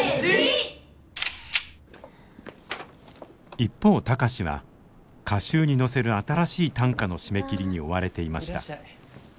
一方貴司は歌集に載せる新しい短歌の締め切りに追われていました。